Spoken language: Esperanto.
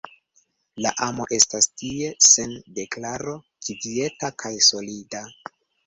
La amo estas tie, sen deklaro, kvieta kaj solida.